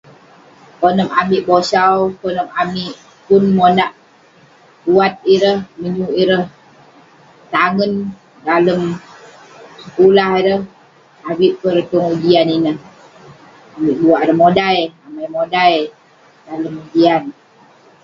Konep amik bosau, konep amik pun monak wat ireh menyuk ireh tangen dalem sekulah ireh avik peh ireh tong ujian ineh. juk buak ireh modai, amai modai dalem ujian.